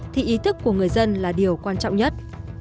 thì ý thức của người dân là điều quan trọng nhất